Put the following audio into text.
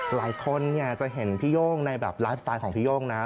หลายคนเนี่ยจะเห็นพี่โย่งในแบบไลฟ์สไตล์ของพี่โย่งนะ